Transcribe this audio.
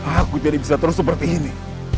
aku jadi bisa terus seperti ini